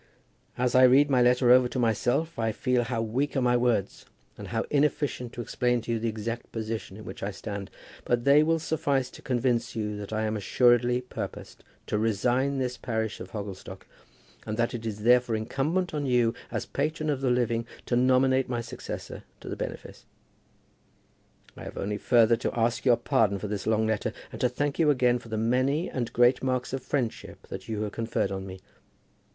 As I read my letter over to myself I feel how weak are my words, and how inefficient to explain to you the exact position in which I stand; but they will suffice to convince you that I am assuredly purposed to resign this parish of Hogglestock, and that it is therefore incumbent on you, as patron of the living, to nominate my successor to the benefice. I have only further to ask your pardon for this long letter, and to thank you again for the many and great marks of friendship which you have conferred on me.